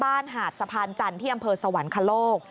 หาดสะพานจันทร์ที่อำเภอสวรรคโลก